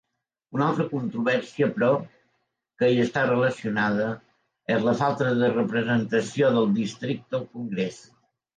Una altra controvèrsia però que hi està relacionada és la falta de representació del districte al Congrés.